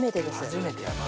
初めてやな。